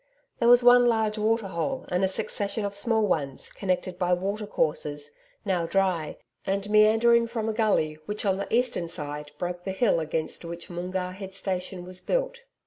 There was one large water hole and a succession of small ones, connected by water courses, now dry, and meandering from a gully, which on the eastern side broke the hill against which Moongarr head station was built.